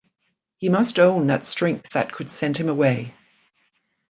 He must own that strength that could send him away.